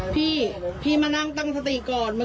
พี่พี่มานั่งตั้งสติก่อน